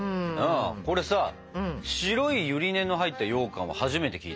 これさ白いゆり根の入ったようかんは初めて聞いたね。